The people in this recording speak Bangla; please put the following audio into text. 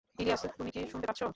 ইলিয়াস, তুমি কি শুনতে পাচ্ছ?